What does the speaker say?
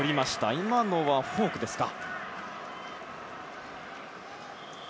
今のは、フォークですか。